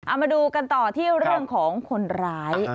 เอามาดูกันต่อที่เรื่องของคนร้าย